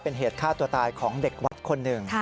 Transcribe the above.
เป็นเหตุฆ่าตัวตายของเด็กวัดคนหนึ่ง